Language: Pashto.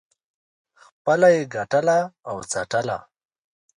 خپله یې ګټله او څټله.